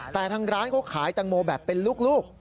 แต่ทางร้านเขาขายแตงโมแบบเป็นลูก